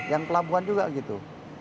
yang pelabuhan juga gitu